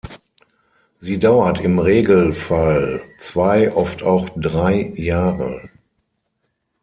Sie dauert im Regelfall zwei, oft auch drei Jahre.